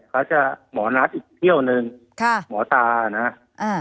เขาจะหมอนัดอีกเที่ยวหนึ่งค่ะหมอตานะอ่า